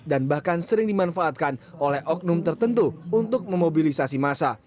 dan bahkan sering dimanfaatkan oleh oknum tertentu untuk memobilisasi massa